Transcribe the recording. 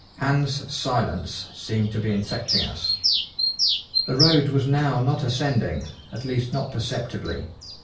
Hans' silence seemed to be infecting us. The road was now not ascending, at least not perceptibly.